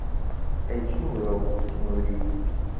ئەی چنوورە و چنووری